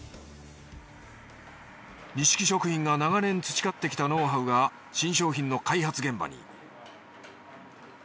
にしき食品が長年培ってきたノウハウが新商品の開発現場に。